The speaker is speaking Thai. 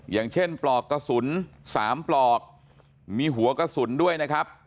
อย่างเช่นปลอกกระสุน๓ปลอกมีหัวกระสุนด้วยนะครับ